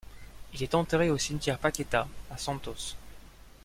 Il est enterré au Cimetière Paqueta à Santos.